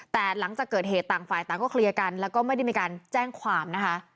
แต่หลังจากเกิดเหตุต่างฝ่ายต่างก็เคลียร์กันแล้วก็ไม่ได้มีการแจ้งความนะคะ